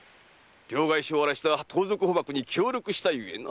両替商を荒らした盗賊捕縛に協力したゆえな。